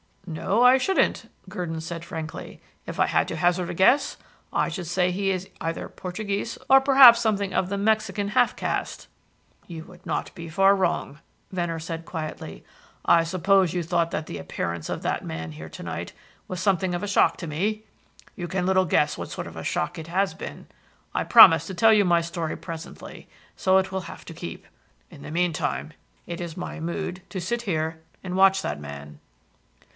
"No, I shouldn't," Gurdon said frankly. "If I had to hazard a guess, I should say he is either Portuguese or perhaps something of the Mexican half caste." "You would not be far wrong," Venner said quietly. "I suppose you thought that the appearance of that man here tonight was something of a shock to me. You can little guess what sort of a shock it has been. I promise to tell you my story presently, so it will have to keep. In the meantime, it is my mood to sit here and watch that man."